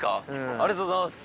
ありがとうございます。